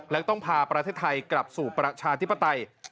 และต้องพาประเทศไทยกลับสู่ประชาธิปไตย